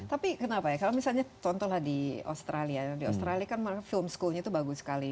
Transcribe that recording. tapi kenapa ya kalau misalnya contohlah di australia di australia kan film schoolnya itu bagus sekali